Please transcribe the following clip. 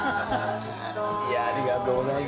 ありがとうございます。